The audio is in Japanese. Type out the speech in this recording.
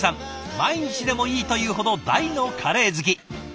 毎日でもいいというほど大のカレー好き。